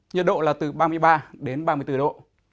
nhiệt độ là từ ba mươi ba đến ba mươi bốn độ